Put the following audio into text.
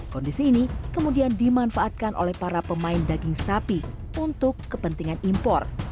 kondisi ini kemudian dimanfaatkan oleh para pemain daging sapi untuk kepentingan impor